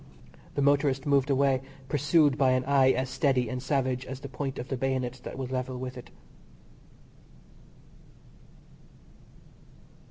The motorist moved away, pursued by an eye as steady and savage as the point of the bayonet that was level with it.